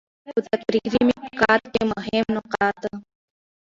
په تکراري ميتود کي مهم نقاط: